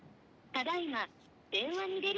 ☎☎ただいま電話に出る。